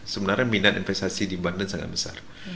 sebenarnya minat investasi di banten sangat besar